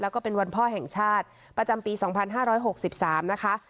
แล้วก็เป็นวันพ่อแห่งชาติประจำปีสองพันห้าร้อยหกสิบสามนะคะ